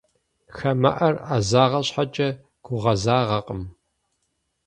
Хамэӏэр ӏэгъэзагъэ щхьэкӏэ, гугъэзагъэкъым.